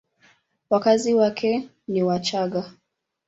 Wakazi wake ni Wachagga.